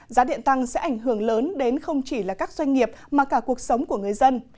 giá điện tăng sẽ ảnh hưởng lớn đến không chỉ là các doanh nghiệp mà cả cuộc sống của người dân